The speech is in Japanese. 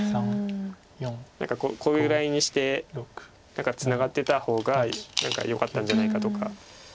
何かこういうラインにしてツナがってた方がよかったんじゃないかとか。